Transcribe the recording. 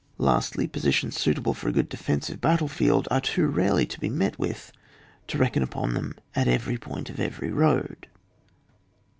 Lastly, positions suitable for a good defensive battle field are too rarely to be met with to reckon upon them at every point of every road.